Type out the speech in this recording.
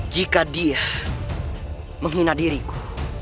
jika dia menghina diriku